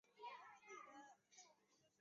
在苏联财政部研究所任经济学家。